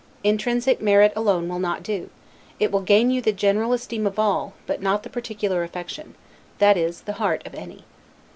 Intrinsic merit alone will not do; it will gain you the general esteem of all; but not the particular affection, that is, the heart of any.